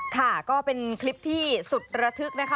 ค่ะก็เป็นคลิปที่สุดระทึกนะคะ